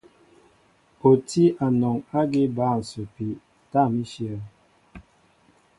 O tí anɔŋ ágí bǎl ǹsəpi tâm íshyə̂.